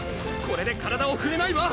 これで体をふれないわ！